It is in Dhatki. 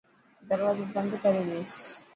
دروازو بند ڪري ٻيس.